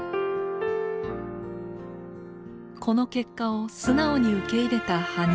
この結果を素直に受け入れた羽生。